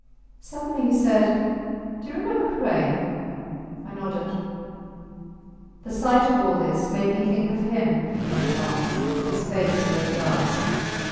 Suddenly he said Do you remember Karain? I nodded. The sight of all this made me think of him, he went on, with his face near the glass